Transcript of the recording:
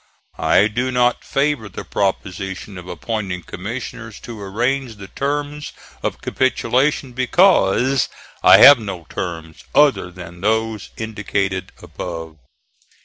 I do not favor the proposition of appointing commissioners to arrange the terms of capitulation, because I have no terms other than those indicated above."